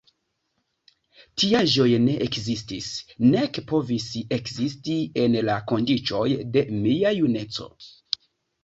Tiaĵoj ne ekzistis, nek povis ekzisti en la kondiĉoj de mia juneco.